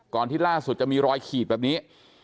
ที่ล่าสุดจะมีรอยขีดแบบนี้